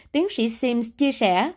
tiến sĩ sims chia sẻ